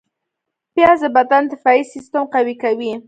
پیاز د بدن دفاعي سیستم قوي کوي